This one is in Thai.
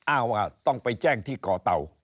อ้างว่าต้องไปแจ้งที่ก่อเตา